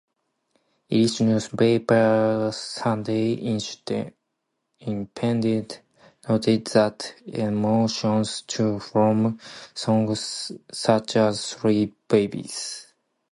Irish newspaper "Sunday Independent" noted that "emotions tumble" from songs such as "Three Babies".